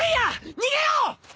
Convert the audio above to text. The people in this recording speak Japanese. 逃げろ！